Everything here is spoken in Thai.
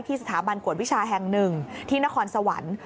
สถาบันกวดวิชาแห่งหนึ่งที่นครสวรรค์